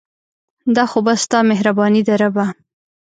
دا خو بس ستا مهرباني ده ربه